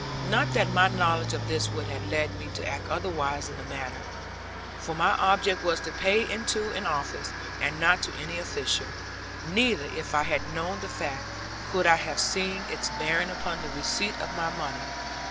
Not that my knowledge of this would have led me to act otherwise in the matter; for my object was to pay into an office, and not to any official; neither if I had known the fact, could I have seen its bearing upon the receipt of my money.